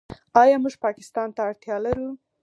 آیا موږ پاکستان ته اړتیا لرو؟